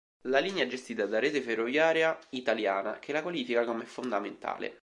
La linea è gestita da Rete Ferroviaria Italiana che la qualifica come fondamentale.